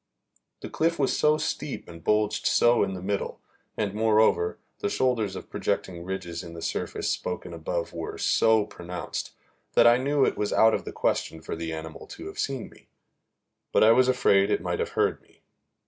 The cliff was so steep and bulged so in the middle, and, moreover, the shoulders or projecting ridges in the surface spoken of above were so pronounced, that I knew it was out of the question for the animal to have seen me, but I was afraid it might have heard me.